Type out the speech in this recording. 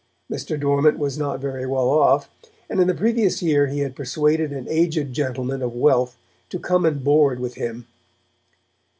Mr. Dormant was not very well off, and in the previous year he had persuaded an aged gentleman of wealth to come and board with him.